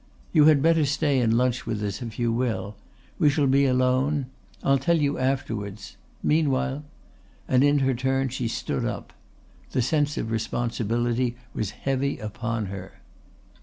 "You had better stay and lunch with us if you will. We shall be alone. I'll tell you afterwards. Meanwhile " and in her turn she stood up. The sense of responsibility was heavy upon her.